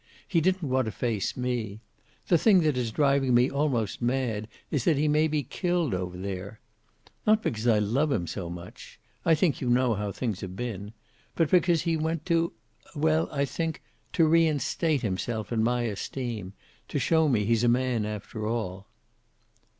He didn't want to face me. The thing that is driving me almost mad is that he may be killed over there. Not because I love him so much. I think you know how things have been. But because he went to well, I think to reinstate himself in my esteem, to show me he's a man, after all."